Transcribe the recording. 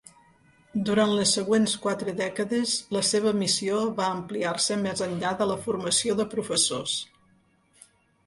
Durant les següents quatre dècades, la seva missió va ampliar-se més enllà de la formació de professors.